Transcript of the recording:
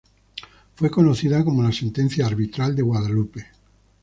Fue conocida como la Sentencia Arbitral de Guadalupe.